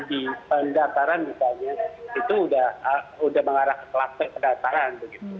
di pendataran misalnya itu sudah mengarah ke klaster pendataran